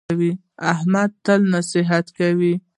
احمد تل نصیحت کوي.